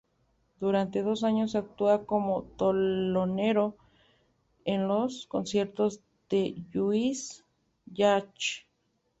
Durante dos años actúa como telonero en los conciertos de Lluís Llach.